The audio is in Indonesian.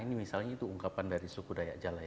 ini misalnya itu ungkapan dari suku dayak jalai